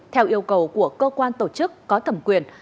theo yêu cầu của cơ quan tổ chức có thẩm quyền